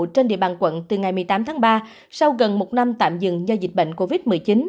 trên địa bàn quận từ ngày một mươi tám tháng ba sau gần một năm tạm dừng do dịch bệnh covid một mươi chín